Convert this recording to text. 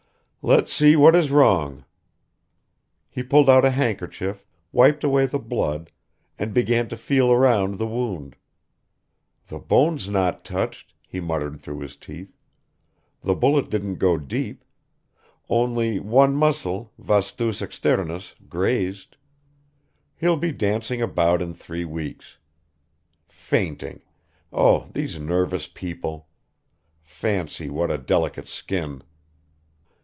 "Let's see what is wrong." He pulled out a handkerchief, wiped away the blood, and began to feel around the wound ... "The bone's not touched," he muttered through his teeth, "the bullet didn't go deep; only one muscle vastus externus grazed. He'll be dancing about in three weeks. Fainting! Oh these nervous people! Fancy, what a delicate skin."